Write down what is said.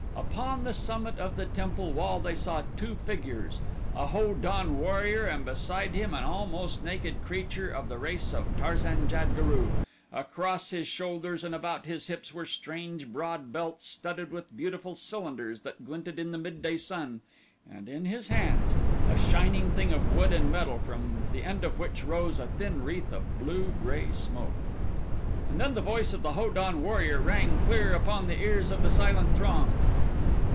Upon the summit of the temple wall they saw two figures a Ho don warrior and beside him an almost naked creature of the race of Tarzan jad guru, across his shoulders and about his hips were strange broad belts studded with beautiful cylinders that glinted in the mid day sun, and in his hands a shining thing of wood and metal from the end of which rose a thin wreath of blue gray smoke. And then the voice of the Ho don warrior rang clear upon the ears of the silent throng.